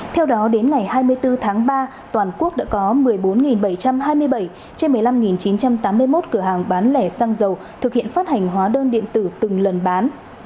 theo đó đến ngày hai mươi bốn tháng ba toàn quốc đã có một mươi bốn bảy trăm hai mươi bảy trên một mươi năm chín trăm tám mươi một cửa hàng bán lẻ xăng dầu thực hiện phát hành hóa đơn điện tử từng lần bán